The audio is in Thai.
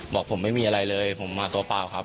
บอกผมไม่มีอะไรเลยผมมาตัวเปล่าครับ